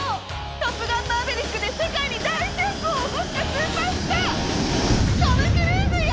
「トップガンマーヴェリック」で世界に大旋風を起こしたスーパースタートム・クルーズよ！